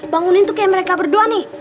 bangunin tuh kayak mereka berdua nih